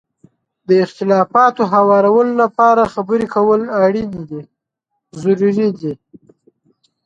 د اختلافاتو هوارولو لپاره خبرې کول اړین دي.